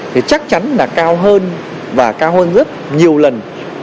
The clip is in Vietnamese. thì chắc chắn là cao hơn và cao hơn gấp nhiều lần